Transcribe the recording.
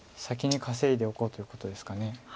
先に稼いでおこうということですか。